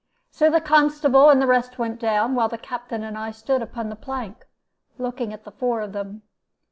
So the constable and the rest went down, while the Captain and I stood upon the plank, looking at the four of them.